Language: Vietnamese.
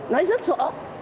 nói rất rõ